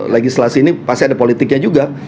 legislasi ini pasti ada politiknya juga